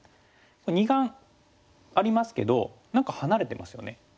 二眼ありますけど何か離れてますよね。